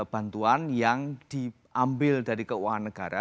bantuan yang diambil dari keuangan negara